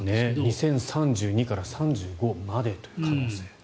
２０３２年から３５年までという可能性。